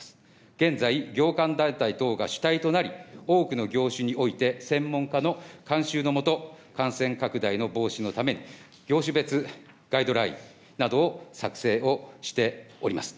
現在、業界団体等が主体となり、多くの業種において、専門家の監修の下、感染拡大の防止のために、業種別ガイドラインなどを作成をしております。